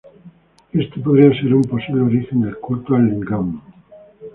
Este podría ser un posible origen del culto al lingam.